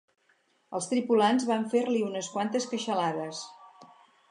Els tripulants van fer-li unes quantes queixalades.